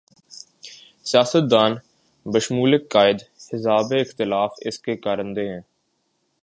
سیاست دان بشمول قائد حزب اختلاف اس کے کارندے ہیں۔